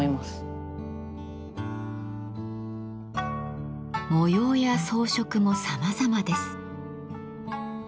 模様や装飾もさまざまです。